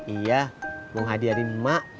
iya mau hadiahin mak